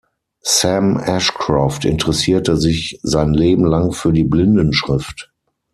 Sam Ashcroft interessierte sich sein Leben lang für die Blindenschrift.